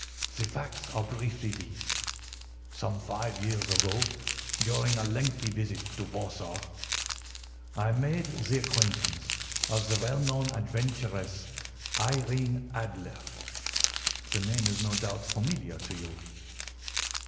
"The facts are briefly these: Some five years ago, during a lengthy visit to Warsaw, I made the acquaintance of the well known adventuress, Irene Adler. The name is no doubt familiar to you."